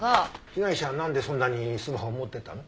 被害者はなんでそんなにスマホを持ってたの？